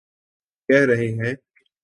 کہہ رہے ہیں۔